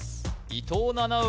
伊藤七海